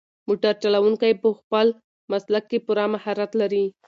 موټر چلونکی په خپل مسلک کې پوره مهارت لري.